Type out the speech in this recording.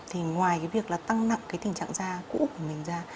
thì ngoài việc tăng nặng tình trạng da cũ của mình ra